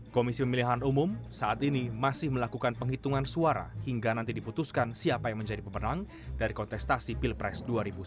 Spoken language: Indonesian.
komisi pemilihan umum saat ini masih melakukan penghitungan suara hingga nanti diputuskan siapa yang menjadi pemenang dari kontestasi pilpres dua ribu sembilan belas